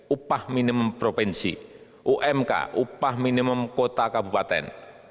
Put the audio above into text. upah minimum provinsi umk upah minimum kota kabupaten